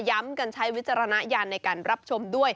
ย้ำกันใช้วิจารณญาณในการรับชมด้วย